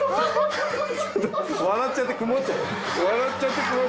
笑っちゃって曇っちゃう。